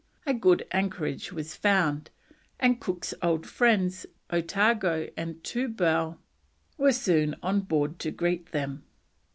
A good anchorage was found, and Cook's old friends, Otago and Toobough, were soon on board to greet them.